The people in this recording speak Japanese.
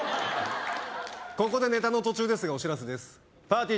ここでネタの途中ですがお知らせですぱーてぃー